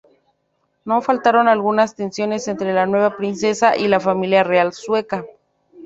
No faltaron algunas tensiones entre la nueva princesa y la familia real sueca.